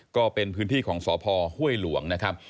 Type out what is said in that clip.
ก็เป็นพื้นที่ของรัฐศาสตร์ห้วยหลวงนะครับ